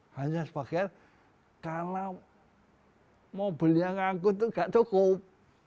hanya sebagian karena mobilnya ngangkut itu nggak cukup